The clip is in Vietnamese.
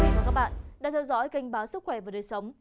chào quý vị và các bạn đã theo dõi kênh báo sức khỏe và đời sống